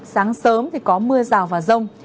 sáng sớm thì có mưa rào và rông